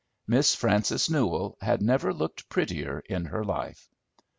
Miss Frances Newell had never looked prettier in her life.